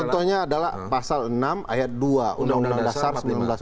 contohnya adalah pasal enam ayat dua undang undang dasar seribu sembilan ratus empat puluh